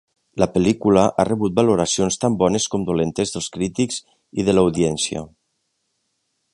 La pel·lícula ha rebut valoracions tant bones com dolentes dels crítics i de l'audiència.